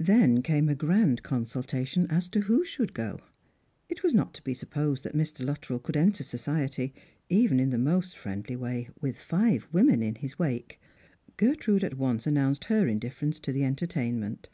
Then came a grand consultation as to who should go. It was not to be supposed that Mr. Luttrell could enter society, even in the most friendly way, with five women in his wake. Ger trude at once announced her indifference to the entertainment.